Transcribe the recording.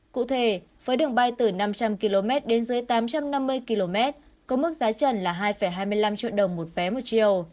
cụ thể với đường bay từ năm trăm linh km đến dưới tám trăm năm mươi km có mức giá trần là hai hai mươi năm triệu đồng một vé một chiều